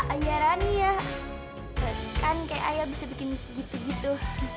ayah rani ya kan kayak ayah bisa bikin gitu gitu